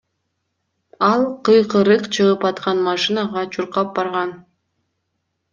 Ал кыйкырык чыгып аткан машинага чуркап барган.